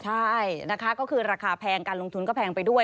ใช่นะคะก็คือราคาแพงการลงทุนก็แพงไปด้วย